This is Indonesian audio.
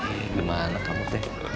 eh gimana kamu teh